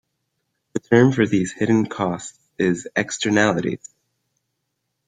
The term for these hidden costs is "Externalities".